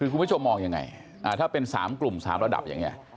คุณผู้ชมมองยังไงถ้าเป็น๓กลุ่ม๓ระดับอย่างนี้